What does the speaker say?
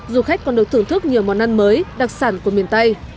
du khách còn được thưởng thức nhiều món ăn mới đặc sản của miền tây